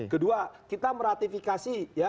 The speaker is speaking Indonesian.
kedua kita meratifikasi